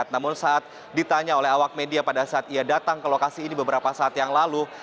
namun saat ditanya oleh awak media pada saat ia datang ke lokasi ini beberapa saat yang lalu